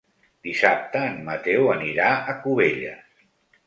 Dissabte en Mateu anirà a Cubelles.